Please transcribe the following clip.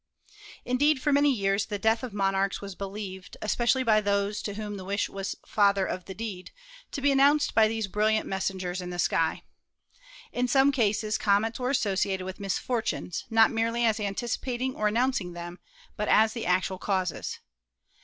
Indeed, for many years the death of monarchs was be lieved, especially by those to whom the wish was father of the deed, to be announced by these brilliant messengers in the sky. In some cases comets were associated with mis fortunes, not merely as anticipating or announcing them, but as the actual causes.